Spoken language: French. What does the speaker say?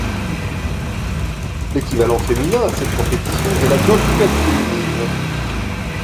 L'équivalent féminin à cette compétition est la Gold Cup féminine.